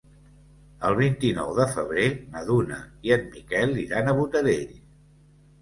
El vint-i-nou de febrer na Duna i en Miquel iran a Botarell.